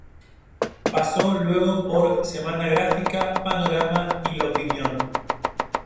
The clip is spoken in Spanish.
Pasó luego por "Semana Gráfica", "Panorama" y "La Opinión".